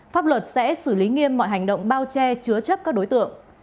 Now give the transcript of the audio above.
pháp luật sẽ xử lý nghiêm mọi hành động bao che chứa chấp các đối tượng